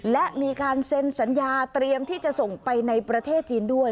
และมีการเซ็นสัญญาเตรียมที่จะส่งไปในประเทศจีนด้วย